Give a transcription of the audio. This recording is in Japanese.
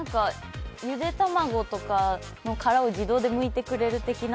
ゆで卵の殻とかを自動でむいてくれる的な？